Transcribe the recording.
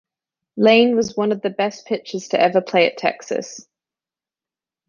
Layne was one of the best pitchers to ever play at Texas.